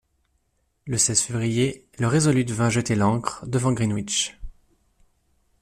Le seize février, le Resolute vint jeter l’ancre devant Greenwich.